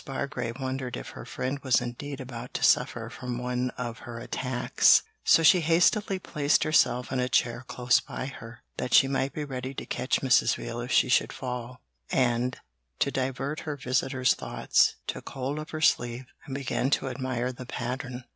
Bargrave wondered if her friend was indeed about to suffer from one of her attacks. So she hastily placed herself in a chair close by her, that she might be ready to catch Mrs. Veal if she should fall, and, to divert her visitor's thoughts, took hold of her sleeve, and began to admire the pattern.